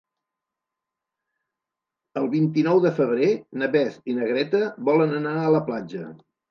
El vint-i-nou de febrer na Beth i na Greta volen anar a la platja.